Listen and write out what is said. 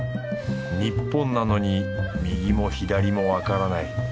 日本なのに右も左もわからない。